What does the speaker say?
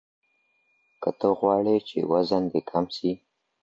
که ته غواړې چې وزن دې کم سي.